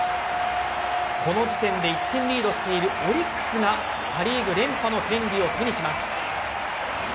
この時点で１点リードしているオリックスがパ・リーグ連覇の権利を手にします。